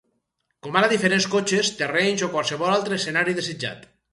Com ara diferents cotxes, terrenys o qualsevol altre escenari desitjat.